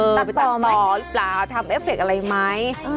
ตัดไปตัดต่อหรือเปล่าทำเอฟเฟคอะไรไหม